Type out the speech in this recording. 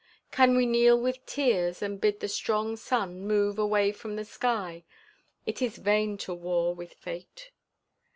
Can we kneel with tears and bid the strong sun move Away from the sky? It is vain to war with fate.